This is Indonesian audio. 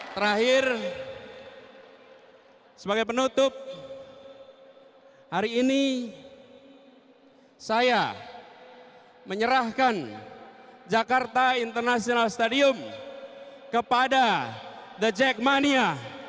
terakhir sebagai penutup hari ini saya menyerahkan jakarta international stadium kepada the jackmania